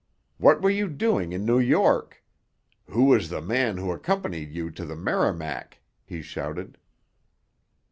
What were you doing in New York? Who was the man who accompanied you to the Merrimac?" he shouted.